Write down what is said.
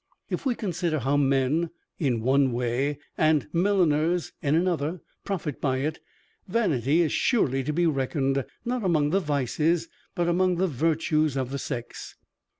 If we consider how men (in one way) and milliners (in another) profit by it, vanity is surely to be reckoned, not among the vices but among the virtues of the sex.